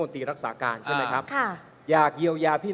คุณเขตรัฐพยายามจะบอกว่าโอ้เลิกพูดเถอะประชาธิปไตย